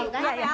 tau gak ya